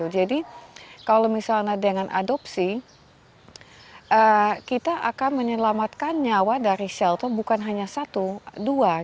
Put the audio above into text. jadi kalau misalnya dengan adopsi kita akan menyelamatkan nyawa dari shelter bukan hanya satu dua